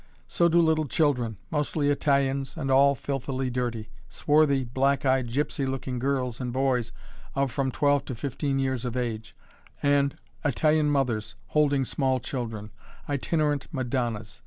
So do little children mostly Italians and all filthily dirty; swarthy, black eyed, gypsy looking girls and boys of from twelve to fifteen years of age, and Italian mothers holding small children itinerant madonnas.